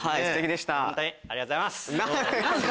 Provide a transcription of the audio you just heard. ありがとうございます！